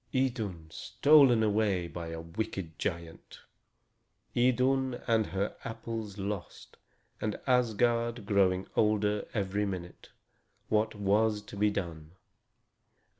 Idun stolen away by a wicked giant! Idun and her apples lost, and Asgard growing older every minute! What was to be done?